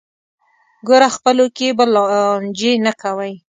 ګوره خپلو کې به لانجې نه کوئ.